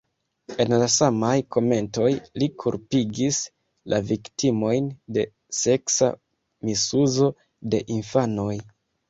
En la samaj komentoj li kulpigis la viktimojn de seksa misuzo de infanoj.